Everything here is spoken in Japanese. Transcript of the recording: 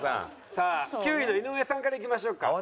さあ９位の井上さんからいきましょうか。